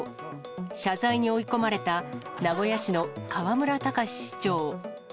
謝罪に追い込まれた名古屋市の河村たかし市長。